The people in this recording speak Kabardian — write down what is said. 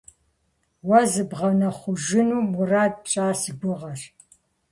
Уэ зыбгъэунэхъужыну мурад пщӏа си гугъэщ.